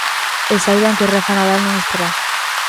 E saiban que Rafa Nadal non estará.